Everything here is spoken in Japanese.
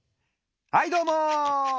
はいどうも！